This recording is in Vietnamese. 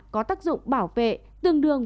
có tác dụng bảo vệ tương đương